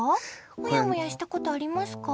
もやもやしたことありますか？